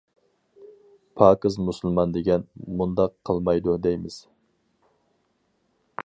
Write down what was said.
پاكىز مۇسۇلمان دېگەن مۇنداق قىلمايدۇ دەيمىز.